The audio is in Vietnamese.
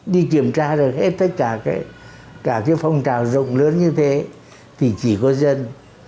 đi kiểm tra rồi hết tất cả cái phong trào rộng lớn như thế thì chỉ có dân